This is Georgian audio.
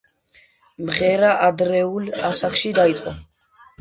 მღერა ადრეულ ასაკში დაიწყო.